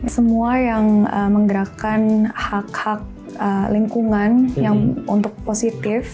semua yang menggerakkan hak hak lingkungan yang untuk positif